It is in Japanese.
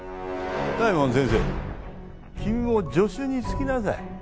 大門先生君も助手につきなさい。